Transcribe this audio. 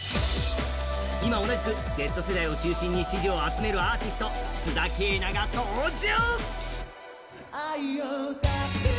今、同じくＺ世代を中心に支持を集める須田景凪が登場。